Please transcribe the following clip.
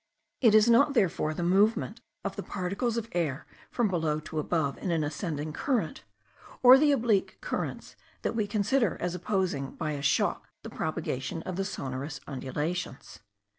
It is not therefore the movement of the particles of air from below to above in the ascending current, or the small oblique currents that we consider as opposing by a shock the propagation of the sonorous undulations.